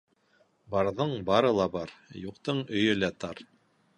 Барҙың бары ла бар, юҡтың өйө лә тар.